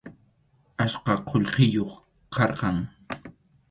Achka qullqiyuq karqan.